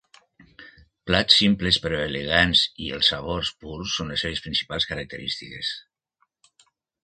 Plats simples, però elegants i els sabors purs són les seves principals característiques.